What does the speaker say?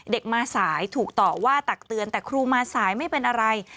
เด็กมาสายถูกต่อว่าตักเตือนแต่ครูมาสายไม่เป็นอะไร